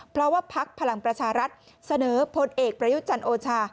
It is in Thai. เพราะว่าพักพลังประชารัฐเสนอพลเอกประยุจันทร์โอชา